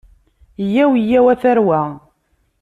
Yyaw yyaw a tarwa.